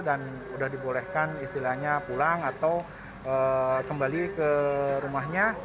dan sudah dibolehkan istilahnya pulang atau kembali ke rumahnya